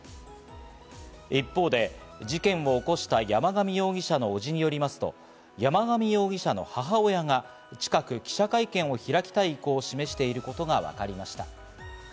一方で事件を起こした山上容疑者の伯父によりますと、山上容疑者の母親が近く記者会見を開きたい意向を示していることがわかりました。